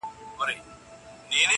• زما له مخي دوې مچکي واخلي بیره ځغلي -